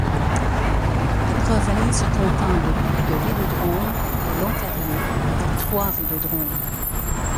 La province comptant le plus de vélodromes est l'Ontario avec trois vélodromes.